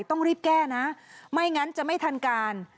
ต้องรีบแก้นะไม่งั้นจะไม่ทันการ